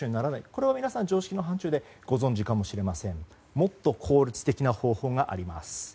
これは常識の範疇で皆さん、ご存じかもしれませんがもっと効率的な方法があります。